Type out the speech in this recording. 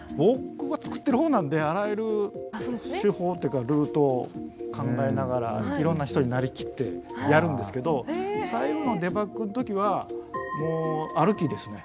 僕はつくってる方なんであらゆる手法というかルートを考えながらいろんな人になりきってやるんですけど最後のデバッグの時はもう歩きですね。